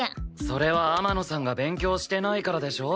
それは天野さんが勉強してないからでしょ。